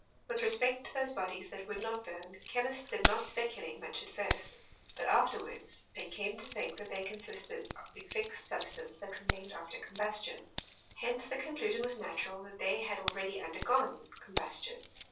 With respect to those bodies that would not burn, chemists did not speculate much at first ; but after wards they came to think that they consisted of the fixed substance that remained after combustion. Hence the conclusion was natural, that they had already undergone combustion.